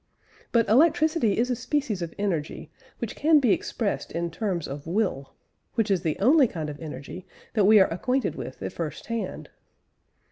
But electricity is a species of energy which can be expressed in terms of will which is the only kind of energy that we are acquainted with at first hand.